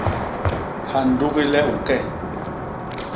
Ha ndugi le u ke.